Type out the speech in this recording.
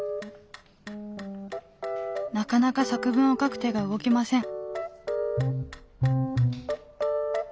なかなか作文を書く手が動きません。